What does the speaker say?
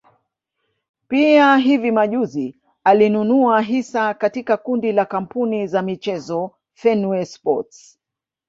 Pia hivi majuzi alinunua hisa katika kundi la kampuni za michezo Fenway sports